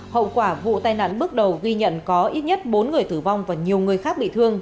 hậu quả vụ tai nạn bước đầu ghi nhận có ít nhất bốn người tử vong và nhiều người khác bị thương